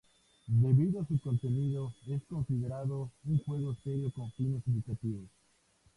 Debido a su contenido, es considerado un juego serio con fines educativos.